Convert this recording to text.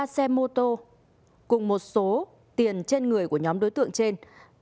một mươi ba xe mô tô cùng một số tiền trên người của nhóm đối tượng trên